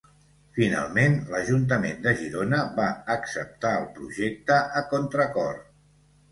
Finalment l'Ajuntament de Girona va acceptar el projecte a contra cor.